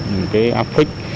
một cái affix